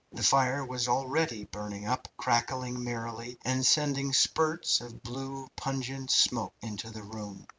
The fire was already burning up, crackling merrily, and sending spurts of blue, pungent smoke into the room.